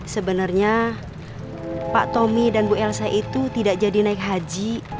sebenarnya pak tommy dan bu elsa itu tidak jadi naik haji